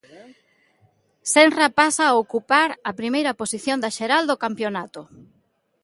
Senra pasa a ocupar a primeira posición da xeral do campionato.